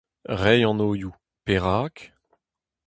Reiñ anvioù : perak ?